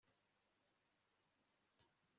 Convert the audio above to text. abasoroma imizabibu ku mugenge cyangwa imbuto